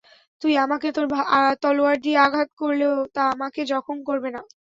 তুই আমাকে তোর তলোয়ার দিয়ে আঘাত করলেও, তা আমাকে জখম করবে না।